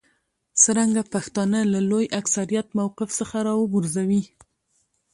څرنګه پښتانه له لوی اکثریت موقف څخه راوغورځوي.